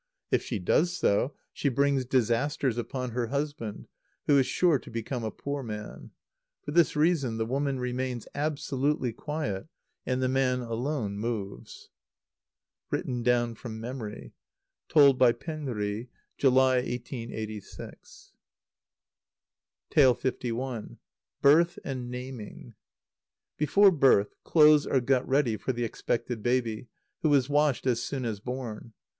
If she does so, she brings disasters upon her husband, who is sure to become a poor man. For this reason, the woman remains absolutely quiet, and the man alone moves. (Written down from memory. Told by Penri, July, 1886.) li. Birth and Naming. Before birth, clothes are got ready for the expected baby, who is washed as soon as born.